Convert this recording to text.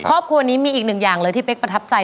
ครอบครัวนี้มีอีกหนึ่งอย่างเลยที่เป๊กประทับใจ